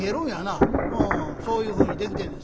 「ああそういうふうに出来てんねん」。